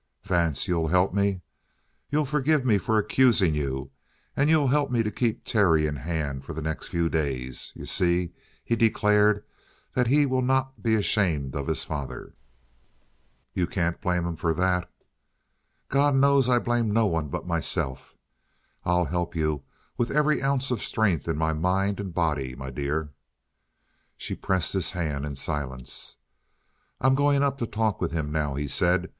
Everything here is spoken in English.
"Vance, you'll help me? You'll forgive me for accusing you, and you'll help me to keep Terry in hand for the next few days? You see, he declared that he will not be ashamed of his father." "You can't blame him for that." "God knows I blame no one but myself." "I'll help you with every ounce of strength in my mind and body, my dear." She pressed his hand in silence. "I'm going up to talk with him now," he said.